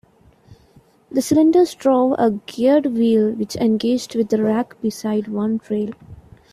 The cylinders drove a geared wheel which engaged with the rack beside one rail.